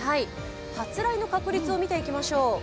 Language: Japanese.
発雷の確率を見ていきましょう。